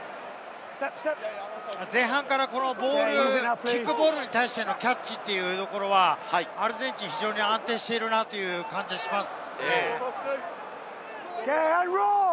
前半からキックボールに対してのキャッチはアルゼンチン、非常に安定している感じがします。